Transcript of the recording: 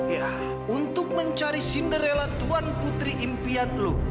ya untuk mencari cinderella tuan putri impian lo